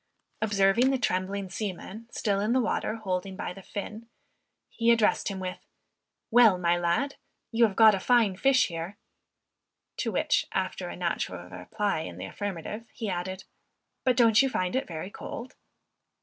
Observing the trembling seaman still in the water holding by the fin, he addressed him with, "Well my lad, you have got a fine fish here," to which after a natural reply in the affirmative, he added, "but don't you find it very cold?"